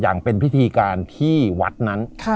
อย่างเป็นพิธีการที่วัดนั้น